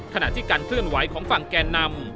ขณะที่การเคลื่อนไหวของฝั่งแกนนำ